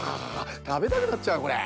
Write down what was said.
たべたくなっちゃうこれ。